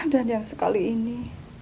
dan yang sekali ini